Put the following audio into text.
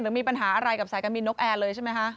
มีปัญหาอะไรกับสายการบินนกแอร์เลยใช่ไหมคะ